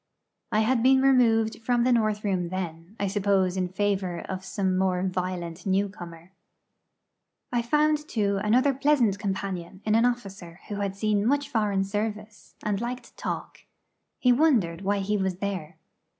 I had been removed from the north room then; I suppose in favour of some more violent newcomer. I found, too, another pleasant companion in an officer who had seen much foreign service, and liked talk. He wondered why he was there.